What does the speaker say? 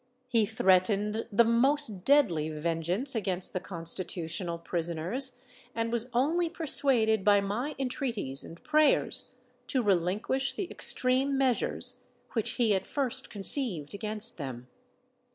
He threatened the most deadly vengeance against the Constitutional prisoners, and was only persuaded by my entreaties and prayers to relinquish the extreme measures which he at first conceived against them.